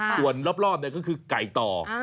ส่วนรอบก็คือไก่ต่อ